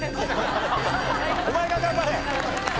お前が頑張れ！